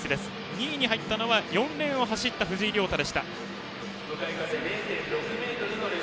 ２位に入ったのは４レーンを走った藤井亮汰でした。